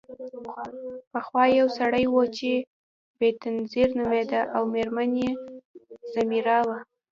پخوا یو سړی و چې بینظیر نومیده او میرمن یې ځمیرا وه.